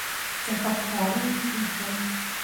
چټک خواړه یې ډېر خوړل.